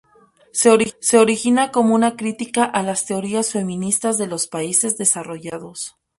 Se origina como una crítica a las teóricas feministas de los países desarrollados.